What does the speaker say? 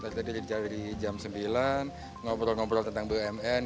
tadi tadi di jam sembilan ngobrol ngobrol tentang bumn